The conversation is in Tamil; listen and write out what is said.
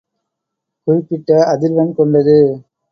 குறிப்பிட்ட அதிர்வெண் கொண்டது.